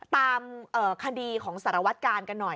ตามคดีของสารวัตกาลกันหน่อย